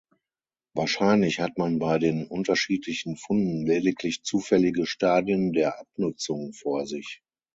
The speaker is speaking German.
Wahrscheinlich hat man bei den unterschiedlichen Funden lediglich zufällige Stadien der Abnutzung vor sich.